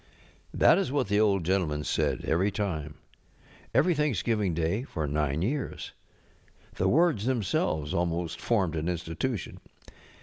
ŌĆØ That is what the Old Gentleman said every time. Every Thanksgiving Day for nine years. TJic words themselves almost formed an Institution.